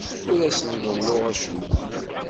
Ur asen-ḍelluɣ acemma.